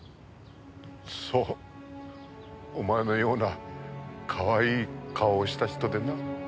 そうお前のようなかわいい顔をした人でな。